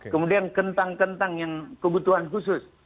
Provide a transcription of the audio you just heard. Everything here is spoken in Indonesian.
kemudian kentang kentang yang kebutuhan khusus